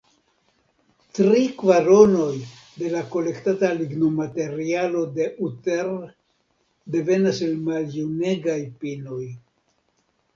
Tri kvaronoj de la kolektata lignomaterialo de Utter devenas de maljunegaj pinoj.